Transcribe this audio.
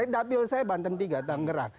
dapil saya banten tiga tangerang